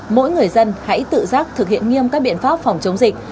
mỗi người dân hãy tự giác thực hiện nghiêm các biện pháp phòng chống dịch